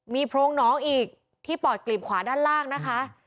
มีโพรงหนองอีกที่ปอดกลีบขวาด้านล่างนะคะ